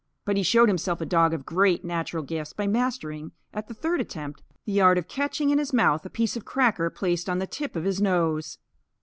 But he showed himself a dog of great natural gifts by mastering, at the third attempt, the art of catching in his mouth a piece of cracker placed on the tip of his nose.